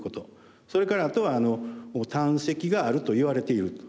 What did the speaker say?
それからあとは胆石があるといわれているという方。